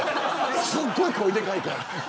すっごい声でかいから。